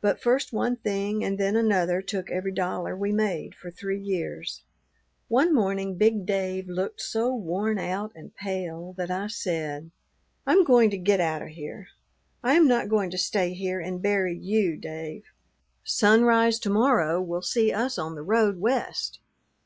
But first one thing and then another took every dollar we made for three years. "One morning big Dave looked so worn out and pale that I said, 'I am going to get out of here; I am not going to stay here and bury you, Dave. Sunrise to morrow will see us on the road West.